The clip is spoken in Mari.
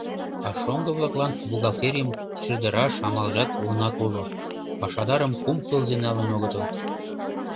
А шоҥго-влаклан бухгалтерийым чыждыраш амалжат лыҥак уло: пашадарым кум тылзе налын огытыл.